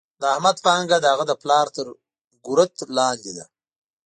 د احمد پانګه د هغه د پلار تر ګورت لاندې ده.